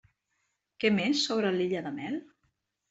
Què més sobre l'illa de Mel?